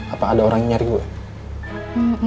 apa ada orang yang nyari gue